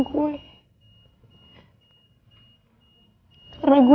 gue gak akan lepasin genggaman tangan gue